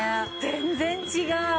全然違う。